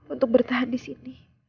untuk bertahan disini